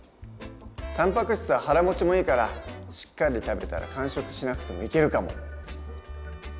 たんぱく質は腹もちもいいからしっかり食べたら間食しなくてもいけるかも。